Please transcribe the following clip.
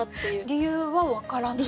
理由は分からない？